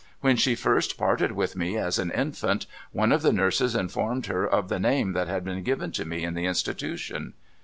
When she first parted with me, as an infant, one of the nurses informed her of the name that had been given to me in the institution.